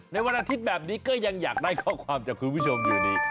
ในวันอาทิตย์แบบนี้ก็ยังอยากได้ข้อความจากคุณผู้ชมอยู่ดี